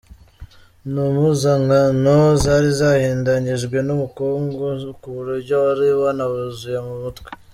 Izi mpuzankano zari zahindanyijwe n’umukungugu ku buryo wari wanabuzuye mu mitwe.